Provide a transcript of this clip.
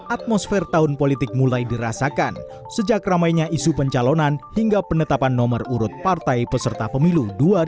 atmosfer tahun politik mulai dirasakan sejak ramainya isu pencalonan hingga penetapan nomor urut partai peserta pemilu dua ribu dua puluh